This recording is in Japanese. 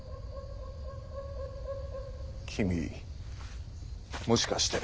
君もしかして。